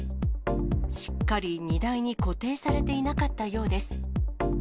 しっかり荷台に固定されていなかったようです。